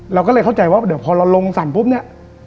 เราก็เลยเข้าใจว่าเดี๋ยวพอเราลงสั่นปุ๊บเนี่ย